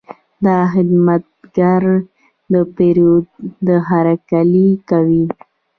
دا خدمتګر د پیرود هرکلی کوي.